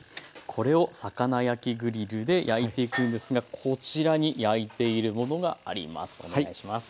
これを魚焼きグリルで焼いていくんですがこちらに焼いているものがあります。